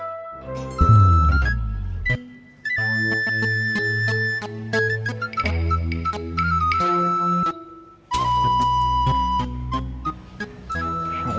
mulut you gilir jauh output risiko pulang ke xemp pity ini tak bikin kok praanya create